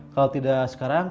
kalau tidak sekarang